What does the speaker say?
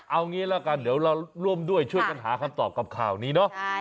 เอางี้ละกันเดี๋ยวเราร่วมด้วยช่วยกันหาคำตอบกับข่าวนี้เนาะ